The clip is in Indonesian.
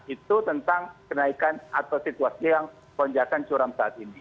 itu tentang kenaikan atau situasi yang lonjakan curam saat ini